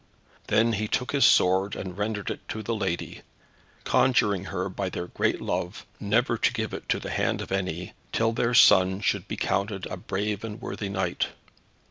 Then he took his sword and rendered it to the lady, conjuring her by their great love, never to give it to the hand of any, till their son should be counted a brave and worthy knight.